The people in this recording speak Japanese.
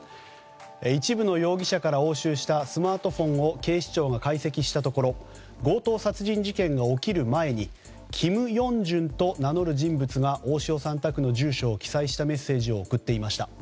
一部の容疑者から押収したスマートフォンを警視庁が解析したところ強盗殺人事件が起きる前にキム・ヨンジュンと名乗る人物が大塩さん宅の記載をしたメッセージを送っていました。